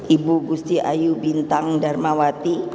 ibu gusti ayu bintang darmawati